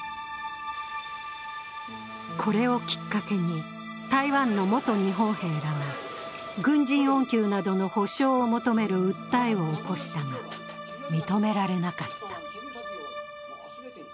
これをきっかけに、台湾の元日本兵らが軍人恩給などの補償を求める訴えを起こしたが、認められなかった。